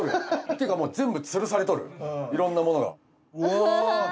っていうかもう全部吊るされとるいろんなものが。